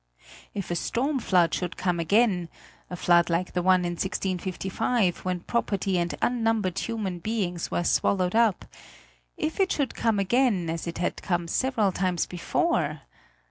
If a storm flood should come again a flood like the one in 1655, when property and unnumbered human beings were swallowed up if it should come again, as it had come several times before!